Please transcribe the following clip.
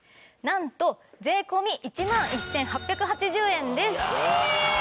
なんと税込１万１８８０円です！ええーっ！